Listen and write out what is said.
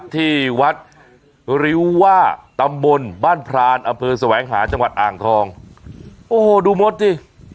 ที่วัดริ้วว่าตำบลบ้านพรานอำเภอแสวงหาจังหวัดอ่างทองโอ้โหดูมดสิ